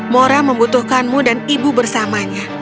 mora membutuhkanmu dan ibu bersamanya